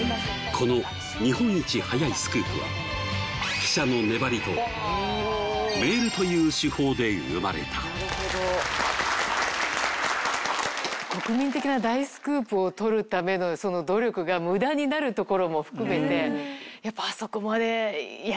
この日本一早いスクープは記者の粘りとメールという手法で生まれた国民的な大スクープを取るためのその努力が無駄になるところも含めて。